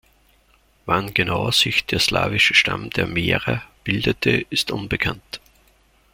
Wann genau sich der slawische Stamm der Mährer bildete, ist unbekannt.